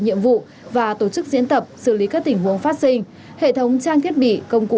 nhiệm vụ và tổ chức diễn tập xử lý các tình huống phát sinh hệ thống trang thiết bị công cụ